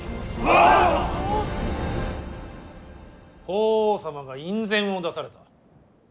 法皇様が院宣を出された。